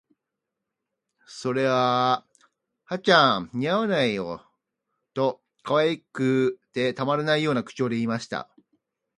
「それあ、葉ちゃん、似合わない」と、可愛くてたまらないような口調で言いました